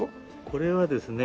これはですね